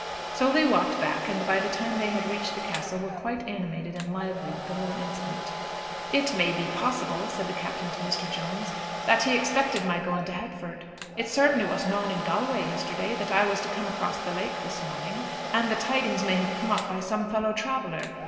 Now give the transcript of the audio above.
So they walked back, and by the time they had reached the Castle were quite animated and lively with the little incident. "It may be possible," said the Captain to Mr. Jones, "that he expected my going to Headford. It certainly was known in Galway yesterday, that I was to come across the lake this morning, and the tidings may have come up by some fellow traveller.